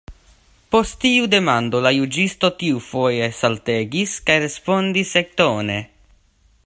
Post tiu demando la juĝisto tiufoje saltegis, kaj respondis sektone.